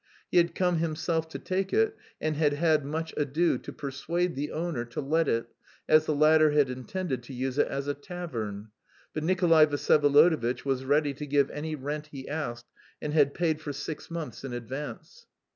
He had come himself to take it and had had much ado to persuade the owner to let it, as the latter had intended to use it as a tavern; but Nikolay Vsyevolodovitch was ready to give any rent he asked and had paid for six months in advance.